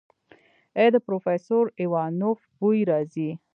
ای د پروفيسر ايوانوف بوئ راځي.